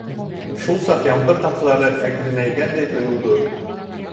Шул саҡ ямғыр тамсылары әкренәйгәндәй тойолдо.